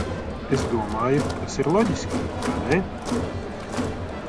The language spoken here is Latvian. Es domāju, tas ir loģiski, vai ne?